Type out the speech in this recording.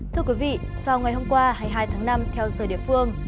thưa quý vị vào ngày hôm qua hai mươi hai tháng năm theo giờ địa phương